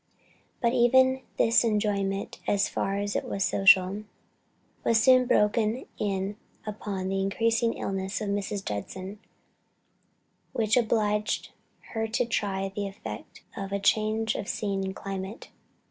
But even this enjoyment, as far as it was social, was soon broken in upon by the increasing illness of Mrs. Judson, which obliged her to try the effect of a change of scene and climate.